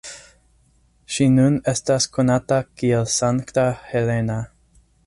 Ŝi nun estas konata kiel Sankta Helena.